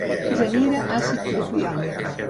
Genera àcid propiònic.